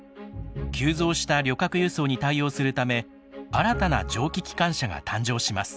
急増した旅客輸送に対応するため新たな蒸気機関車が誕生します。